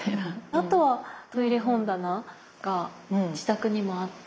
あとはトイレ本棚が自宅にもあって